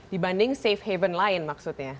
dibanding safe haven lain maksudnya